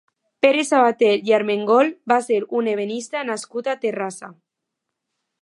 Pere Sabater i Armengol va ser un ebenista nascut a Terrassa.